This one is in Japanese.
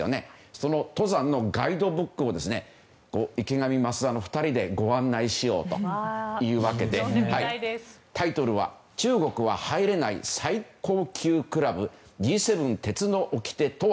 その登山のガイドブックを池上、増田の２人でご案内しようというわけでタイトルは中国は入れない最高級クラブＧ７鉄のおきてとは？